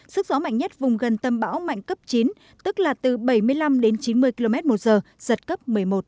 sức gió mạnh nhất vùng gần tâm bão mạnh cấp chín tức là từ bảy mươi năm đến chín mươi km một giờ giật cấp một mươi một